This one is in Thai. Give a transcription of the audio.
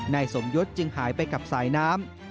นายสมยศจึงหายไปกับสายน้ำ